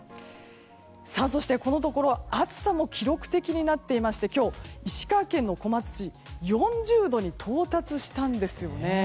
そして、このところ暑さも記録的になっていまして今日、石川県の小松市４０度に到達したんですね。